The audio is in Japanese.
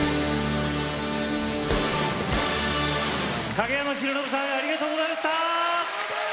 影山ヒロノブさんありがとうございました！